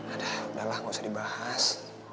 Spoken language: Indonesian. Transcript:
aduh udahlah gak usah dibahas